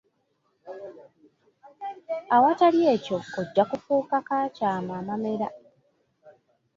Awatali ekyo, ojja kufuuka, kaakyama amamera!